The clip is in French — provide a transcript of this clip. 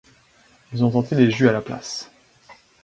Ils ont tenté les jus à la place.